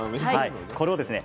これをですね